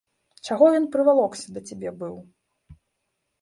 Чаго ён прывалокся да цябе быў?